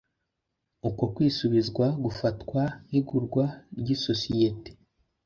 uko kwisubizwa gufatwa nk’igurwa ry’isosiyete